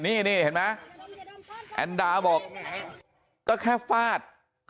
นี่เห็นไหมแอนดาบอกก็แค่ฟาด